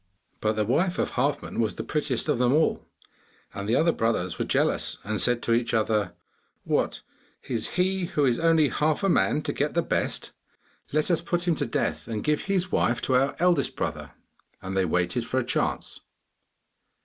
But the wife of Halfman was the prettiest of them all, and the other brothers were jealous and said to each other: 'What, is he who is only half a man to get the best? Let us put him to death and give his wife to our eldest brother!' And they waited for a chance.